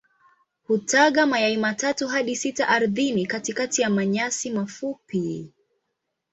Hutaga mayai matatu hadi sita ardhini katikati ya manyasi mafupi.